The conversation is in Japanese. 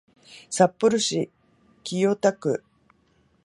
札幌市清田区